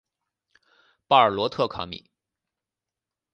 巴尔罗特卡米。